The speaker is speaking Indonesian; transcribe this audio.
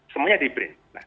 semuanya di brin